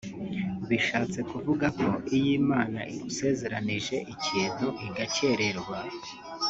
bishaktse kuvuga ko iyo Imana igusezeranije ikintu igakererwa